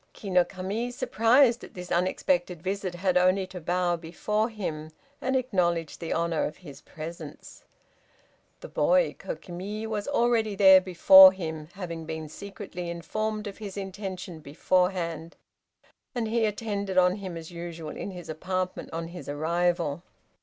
Ki no Kami surprised at this unexpected visit, had only to bow before him, and acknowledge the honor of his presence. The boy, Kokimi, was already there before him, having been secretly informed of his intention beforehand, and he attended on him as usual in his apartment on his arrival.